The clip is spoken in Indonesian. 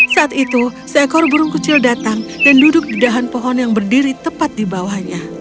saat itu seekor burung kecil datang dan duduk di dahan pohon yang berdiri tepat di bawahnya